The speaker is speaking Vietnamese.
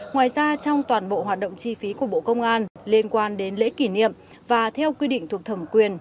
ngoài ra trong toàn bộ hoạt động chi phí của bộ công an liên quan đến lễ kỷ niệm và theo quy định thuộc thẩm quyền